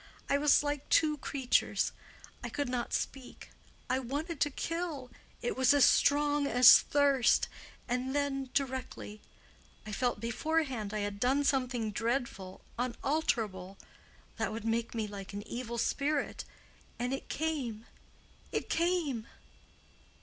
I was like two creatures. I could not speak—I wanted to kill—it was as strong as thirst—and then directly—I felt beforehand I had done something dreadful, unalterable—that would make me like an evil spirit. And it came—it came."